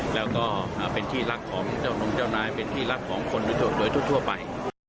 แล้วก็เป็นที่รักของเจ้านงเจ้านายเป็นที่รักของคนโดยทั่วไป